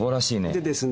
でですね